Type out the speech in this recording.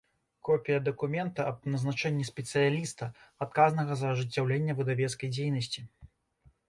Копiя дакумента аб назначэннi спецыялiста, адказнага за ажыццяўленне выдавецкай дзейнасцi.